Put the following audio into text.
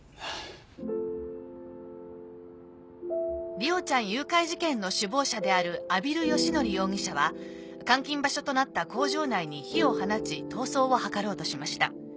梨央ちゃん誘拐事件の首謀者である阿比留佳則容疑者は監禁場所となった工場内に火を放ち逃走を図ろうとしました。